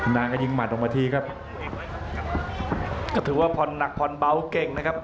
นางก็ยิงหมัดออกมาทีครับก็ถือว่าผ่อนหนักผ่อนเบาเก่งนะครับ